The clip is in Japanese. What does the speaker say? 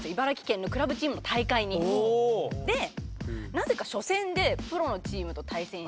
なぜか初戦でプロのチームと対戦し。